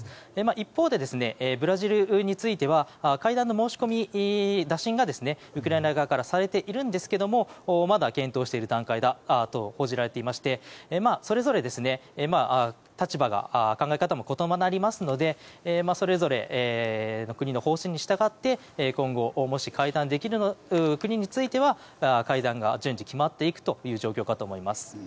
一方でブラジルについては会談の申し込み、打診がウクライナ側からされているんですがまだ検討している段階と報じられていましてそれぞれ、立場も考え方も異なりますのでそれぞれの国の方針に従って今後もし会談できる国については会談が順次決まっていく状況かと思います。